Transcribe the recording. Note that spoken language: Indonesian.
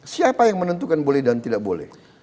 siapa yang menentukan boleh dan tidak boleh